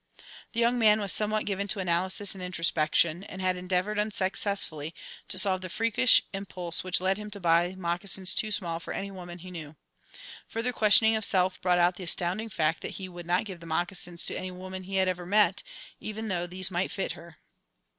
The young man was somewhat given to analysis and introspection, and had endeavoured, unsuccessfully, to solve the freakish impulse which led him to buy moccasins too small for any woman he knew. Further questioning of self brought out the astounding fact that he would not give moccasins to any woman he had ever met, even though these might fit her.